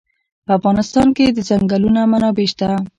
په افغانستان کې د ځنګلونه منابع شته.